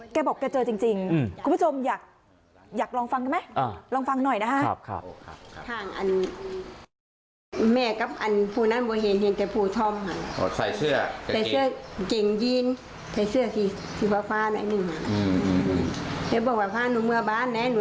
แกบอกแกเจอจริงคุณผู้ชมอยากลองฟังกันไหมลองฟังหน่อยนะฮะ